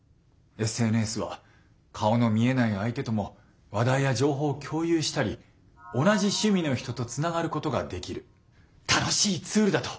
ＳＮＳは顔の見えない相手とも話題や情報を共有したり同じ趣味の人とつながることができる楽しいツールだと私も思います。